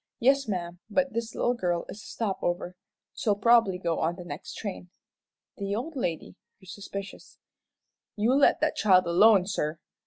"Yes, ma'am, but this little girl is a stop over. She'll probably go on the next train." The old lady grew suspicious. "You let that child alone, sir.